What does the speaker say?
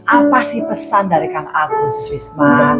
apa pesan dari abus wisman